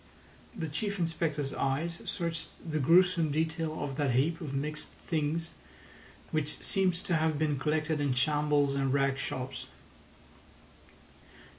The Chief Inspector's eyes searched the gruesome detail of that heap of mixed things, which seemed to have been collected in shambles and rag shops.